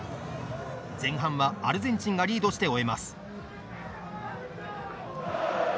前半はアルゼンチンがリードして終えます。